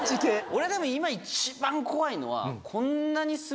俺でも一番怖いのは。